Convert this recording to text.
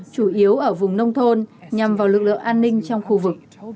chủ yếu ở vùng nông thôn nhằm vào lực lượng an ninh trong khu vực